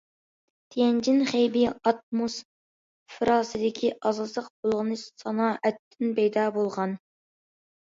تيەنجىن، خېبېي ئاتموسفېراسىدىكى ئاساسلىق بۇلغىنىش سانائەتتىن پەيدا بولغان.